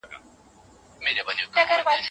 ځيني پوهان ورته تر نورو نومونو نظري سياست غوره ګڼي.